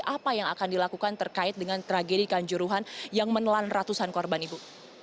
apa yang akan dilakukan terkait dengan tragedi kanjuruhan yang menelan ratusan korban ibu